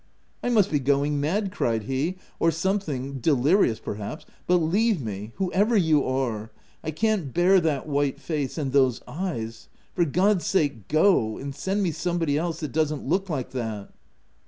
" I must be going mad," cried he —" or something — delirious perhaps — but leave me, whoever you are — I can't bear that white face, and those eyes — for God's sake go, and send me somebody else, that dosen't look like that